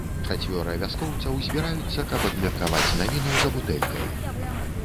Чацвёра вяскоўцаў збіраюцца каб абмеркаваць навіну за бутэлькай.